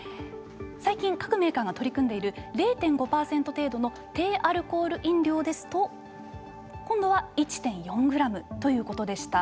最近各メーカーが取り組んでいる０．５％程度の低アルコール飲料ですと今度は１．４グラムということでした。